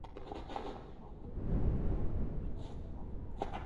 তবে সাহিত্য ও অন্যান্য বিষয়েও ক্লাস নিতেন।